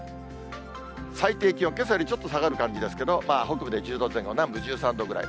最低気温、けさよりちょっと下がる感じですけど、北部で１０度前後、南部１３度ぐらい。